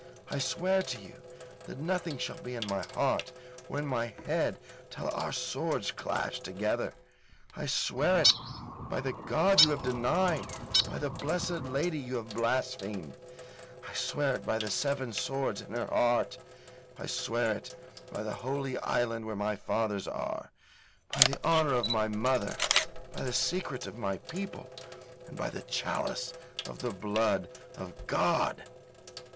I swear to you that nothing shall be in my heart or in my head till our swords clash together. I swear it by the God you have denied, by the Blessed Lady you have blasphemed; I swear it by the seven swords in her heart. I swear it by the Holy Island where my fathers are, by the honour of my mother, by the secret of my people, and by the chalice of the Blood of God."